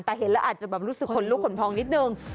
แต่เห็นแล้วอาจจะแบบรู้สึกขนลุกขนพองนิดนึง